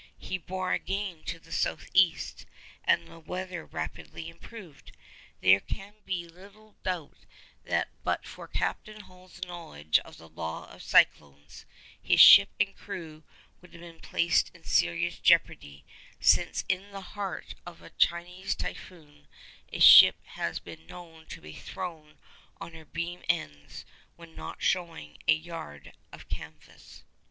He bore again to the south east, and the weather rapidly improved. There can be little doubt that but for Captain Hall's knowledge of the law of cyclones, his ship and crew would have been placed in serious jeopardy, since in the heart of a Chinese typhoon a ship has been known to be thrown on her beam ends when not showing a yard of canvas.